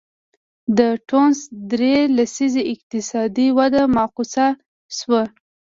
د ټونس درې لسیزې اقتصادي وده معکوسه شوه.